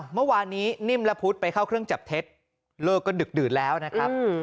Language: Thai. เมื่อวานนี้นิ่มและพุธไปเข้าเครื่องจับเท็จเลิกก็ดึกดื่นแล้วนะครับ